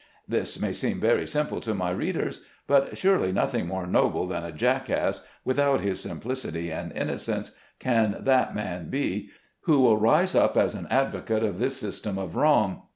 This may seem very simple to my readers, but surely, nothing more noble than a jackass, without his simplicity and innocence, can that man be, who will rise up as an advocate of this system of wrong.